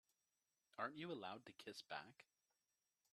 Aren't you allowed to kiss back?